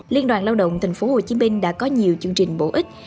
liên đoàn lao động tp hcm đã có nhiều chương trình bổ ích